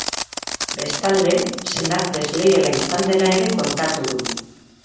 Bestalde, senar desleiala izan dela ere kontatu du.